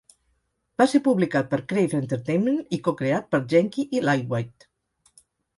Va ser publicat per Crave Entertainment i co-creat per Genki i Lightweight.